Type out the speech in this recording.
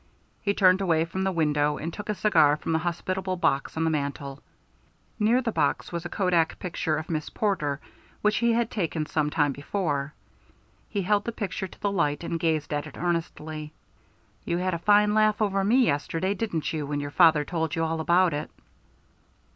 He turned away from the window, and took a cigar from the hospitable box on the mantel. Near the box was a kodak picture of Miss Porter which he had taken some time before. He held the picture to the light, and gazed at it earnestly. "You had a fine laugh over me yesterday, didn't you, when your father told you all about it?"